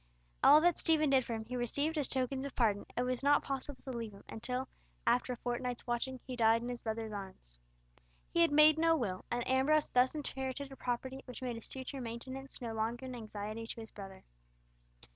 All that Stephen did for him he received as tokens of pardon, and it was not possible to leave him until, after a fortnight's watching, he died in his brother's arms. He had made no will, and Ambrose thus inherited a property which made his future maintenance no longer an anxiety to his brother.